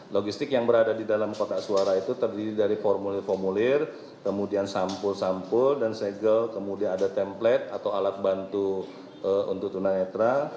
logistik yang berada di dalam kotak suara itu terdiri dari formulir formulir kemudian sampul sampul dan segel kemudian ada templet atau alat bantu untuk tunanetra